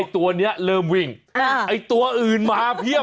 ตัวนี้เริ่มวิ่งไอ้ตัวอื่นมาเพียบ